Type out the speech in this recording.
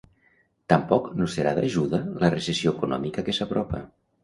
Tampoc no serà d'ajuda la recessió econòmica que s'apropa.